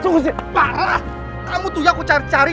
tidak ada yang mencari